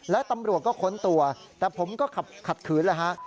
และตำรวจก็ค้นตัวแต่ผมก็ขัดขืนแล้วฮะ